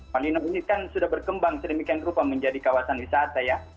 malino ini kan sudah berkembang sedemikian rupa menjadi kawasan wisata ya